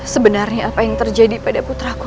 sebenarnya apa yang terjadi pada putraku